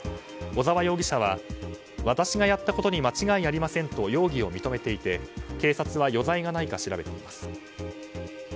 小澤容疑者は、私がやったことに間違いありませんと容疑を認めていて警察は余罪がないか調べています。